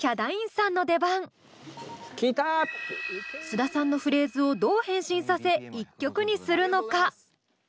須田さんのフレーズをどう変身させ１曲にするのか？